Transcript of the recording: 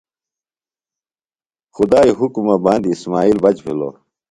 خدائی حُکمہ باندیۡ اسمائیل بچ بِھلوۡ۔